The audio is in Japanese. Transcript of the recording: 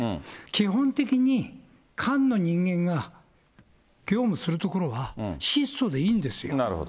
基本的に官の人間が業務するところは、質素でいいんですよ。